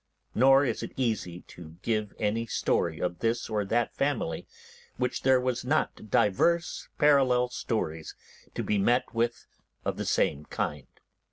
Nor is it easy to give any story of this or that family which there was not divers parallel stories to be met with of the same kind.